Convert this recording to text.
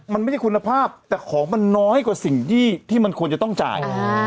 มันไม่ใช่คุณภาพแต่ของมันน้อยกว่าสิ่งที่มันควรจะต้องจ่าย